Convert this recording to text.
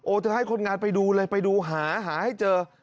จะให้คนงานไปดูเลยไปดูหาหาให้เจอ